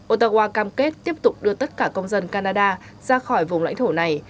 otawa cam kết tiếp tục đưa tất cả công dân canada ra khỏi vùng lãnh thổ này